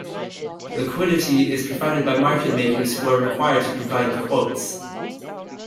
Liquidity is provided by market makers who are required to provide quotes.